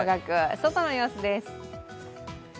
外の様子です。